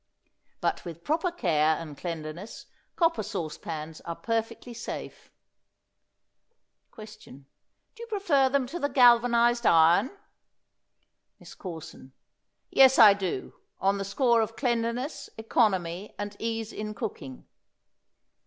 But with proper care and cleanliness, copper sauce pans are perfectly safe. Question. Do you prefer them to the galvanized iron? MISS CORSON. Yes, I do, on the score of cleanliness, economy and ease in cooking.